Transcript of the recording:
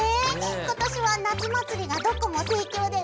今年は夏祭りがどこも盛況でうれしいね。